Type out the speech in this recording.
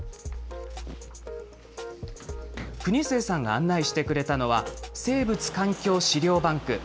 国末さんが案内してくれたのは、生物環境試料バンク。